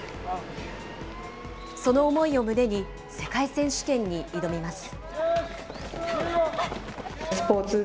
その思いを胸に、世界選手権に挑みます。